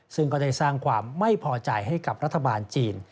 ซึ่งก็ได้สร้างความไม่พอใจให้กับรัฐบาลจีน